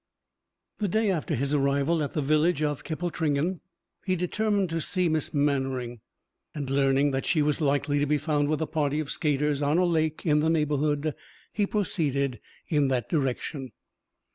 The day after his arrival at the village of Kippletringan, he determined to see Miss Mannering; and learning that she was likely to be found with a party of skaters on a lake in the neighbourhood, he proceeded in that direction.